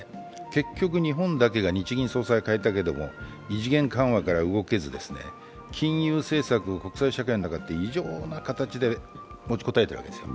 結局日本だけが日銀総裁を代えるだけで異次元緩和から動けず、金融政策が国際社会の中で異常な形でもちこたえてるわけですよ。